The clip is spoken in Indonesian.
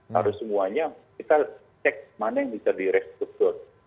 harus semuanya kita cek mana yang bisa di restruktur